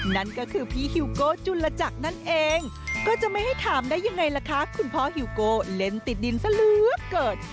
นั่นก็คือพี่ฮิวโก้จุลจักรนั่นเองก็จะไม่ให้ถามได้ยังไงล่ะคะคุณพ่อฮิวโก้เล่นติดดินซะเหลือเกิน